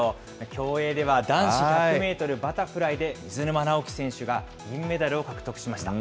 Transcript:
競泳では男子１００メートルバタフライで、水沼尚輝選手が銀メダルを獲得しました。